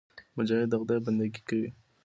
مجاهد د خدای بندګي کوي.